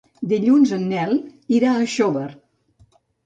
Dilluns en Nel irà a Xóvar.